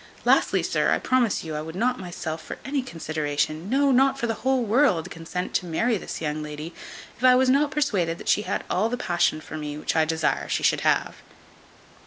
Lastly, sir, I promise you I would not myself, for any consideration, no, not for the whole world, consent to marry this young lady, if I was not persuaded she had all the passion for me which I desire she should have."